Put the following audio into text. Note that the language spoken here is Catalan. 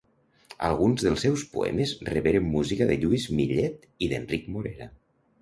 Alguns dels seus poemes reberen música de Lluís Millet i d'Enric Morera.